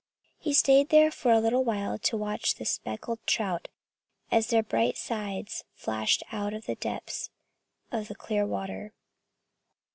He stayed there for a little while to watch the speckled trout as their bright sides flashed out of the depths of the clear water.